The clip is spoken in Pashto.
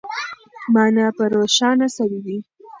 مانا به روښانه سوې وي.